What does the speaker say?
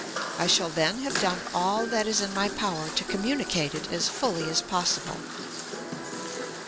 I shall then have done all that is in my power to communicate it as fully as possible.